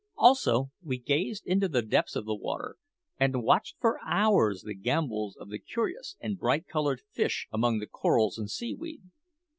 Also, we gazed into the depths of the water, and watched for hours the gambols of the curious and bright coloured fish among the corals and seaweed.